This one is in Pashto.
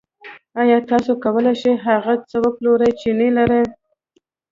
آیا تاسو کولی شئ هغه څه وپلورئ چې نلرئ